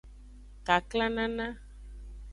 Kaklanana.